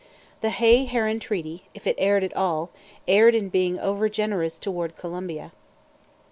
The Hay Herran Treaty, if it erred at all, erred in being overgenerous toward Colombia.